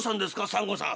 サンゴさん」。